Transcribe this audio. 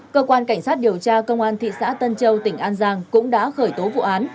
cơ quan cảnh sát điều tra công an thị xã tân châu tỉnh an giang cũng đã khởi tố vụ án